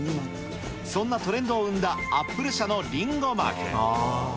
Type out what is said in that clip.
そんなトレンドを生んだ、アップル社のリンゴマーク。